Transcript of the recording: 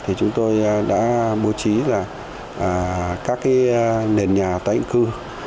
thì chúng tôi đã bố trí là các nền nhà tái định cư